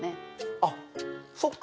あっそっか。